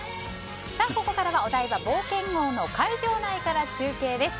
ここからはお台場冒険王の会場内から中継です。